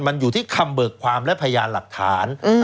มันอยู่ที่คำเบิกความและพยานหลักฐาน